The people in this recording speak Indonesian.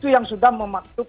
itu yang sudah memaksud